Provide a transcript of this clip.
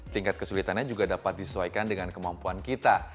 tingkat kesulitannya juga dapat disesuaikan dengan kemampuan kita